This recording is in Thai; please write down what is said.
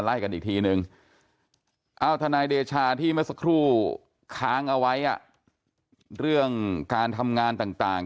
กันอีกทีนึงเอ้าทนายเดชาที่เมื่อสักครู่ค้างเอาไว้เรื่องการทำงานต่าง